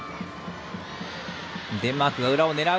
デンマークが裏を狙う。